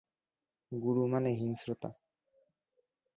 গুরু মানে হিংস্রতা!